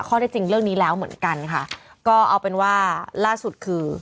ข้อได้จริงเรื่องนี้แล้วเหมือนกันค่ะก็เอาเป็นว่าล่าสุดคือ